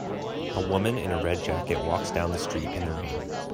A woman in a red jacket walks down the street in the rain.